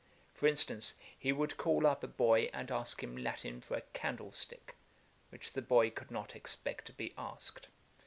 For instance, he would call up a boy and ask him Latin for a candlestick, which the boy could not expect to be asked.